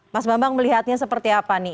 mas bambang melihatnya seperti apa nih